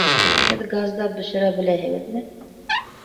Һеҙ газда бешерә беләһегеҙме?